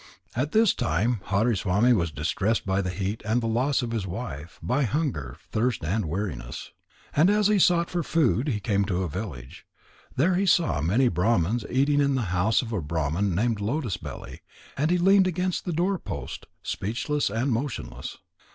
At this time Hariswami was distressed by the heat and the loss of his wife, by hunger, thirst, and weariness. And as he sought for food, he came to a village. There he saw many Brahmans eating in the house of a Brahman named Lotus belly, and he leaned against the doorpost, speechless and motionless.